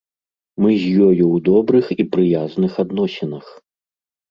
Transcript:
Мы з ёю ў добрых і прыязных адносінах.